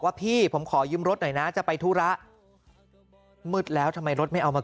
พี่ผมขอยืมรถหน่อยนะจะไปธุระมืดแล้วทำไมรถไม่เอามา